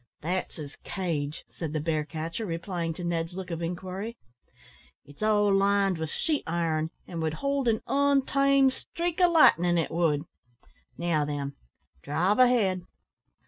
"That's his cage," said the bear catcher, replying to Ned's look of inquiry. "It's all lined with sheet iron, and would hold an ontamed streak o' lightnin', it would. Now, then, drive ahead."